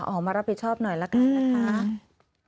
ออกมารับผิดชอบหน่อยละกันนะคะ